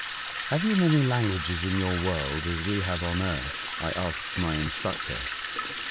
"Have you many languages in your world, as they have on earth ?" I asked my instructor.